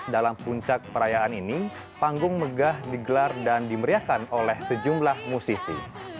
dalam puncak perayaan ini panggung megah digelar dan dimeriahkan oleh sejumlah musisi